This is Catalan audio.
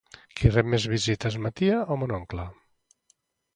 Qui rep més visites, ma tia o mon oncle?